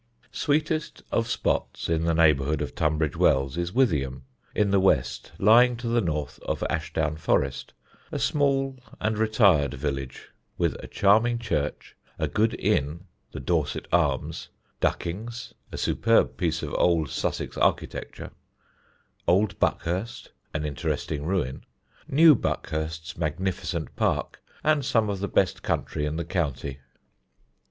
Sweetest of spots in the neighbourhood of Tunbridge Wells is Withyham, in the west, lying to the north of Ashdown Forest, a small and retired village, with a charming church, a good inn (the Dorset Arms), Duckings, a superb piece of old Sussex architecture, Old Buckhurst, an interesting ruin, new Buckhurst's magnificent park, and some of the best country in the county.